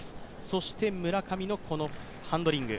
そして、村上のこのハンドリング。